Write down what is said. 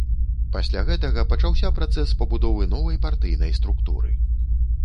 Пасля гэтага пачаўся працэс пабудовы новай партыйнай структуры.